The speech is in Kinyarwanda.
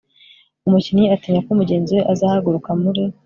umukinnyi atinya ko mugenzi we azahaguruka muri